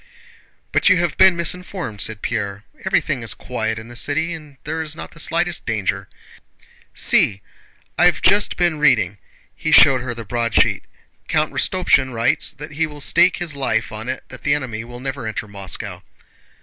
"But you have been misinformed," said Pierre. "Everything is quiet in the city and there is not the slightest danger. See! I've just been reading..." He showed her the broadsheet. "Count Rostopchín writes that he will stake his life on it that the enemy will not enter Moscow."